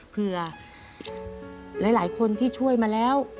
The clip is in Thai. เผื่อหลายคนที่ช่วยมาแล้ว